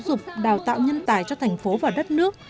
giáo dục đào tạo nhân tài cho thành phố và đất nước